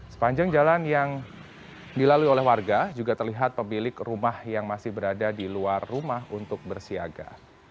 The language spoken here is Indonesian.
sepanjang jalan yang dilalui oleh warga juga terlihat pemilik rumah yang masih berada di luar rumah untuk bersiaga